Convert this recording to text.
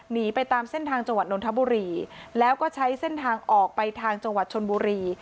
หนีไปตามเส้นทางจังหวัดนทบุรีแล้วก็ใช้เส้นทางออกไปทางจังหวัดชนบุรี